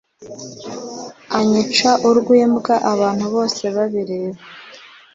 anyica urw’imbwa abantu bose babireba